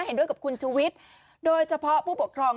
เห็นด้วยกับคุณชูวิทย์โดยเฉพาะผู้ปกครอง